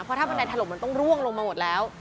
เพราะถ้าบันไดถล่มมันต้องร่วงลงมาหมดแล้ว